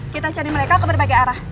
kita cari mereka ke berbagai arah